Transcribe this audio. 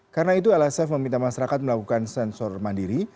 karena itu lsf meminta masyarakat melakukan sensor mandiri